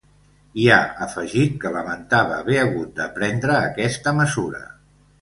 I ha afegit que lamentava haver hagut de prendre aquesta mesura.